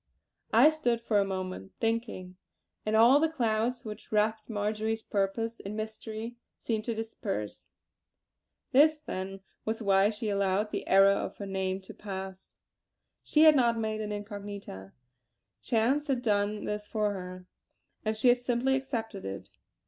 I stood for a moment thinking, and all the clouds which wrapped Marjory's purpose in mystery seemed to disperse. This, then, was why she allowed the error of her name to pass. She had not made an incognita; chance had done this for her, and she had simply accepted it.